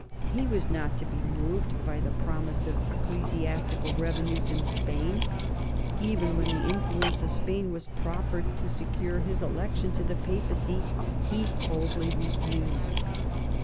He was not to be moved by the promise of ecclesiastical revenues in Spain. Even when the influence of Spain was proffered to secure his election to the Papacy, he coldly refused.